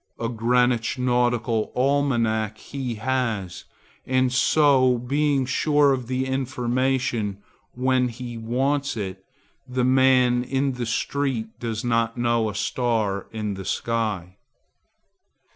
A Greenwich nautical almanac he has, and so being sure of the information when he wants it, the man in the street does not know a star in the sky.